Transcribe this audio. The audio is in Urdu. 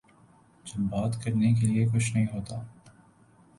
جب بات کرنے کیلئے کچھ نہیں ہوتا۔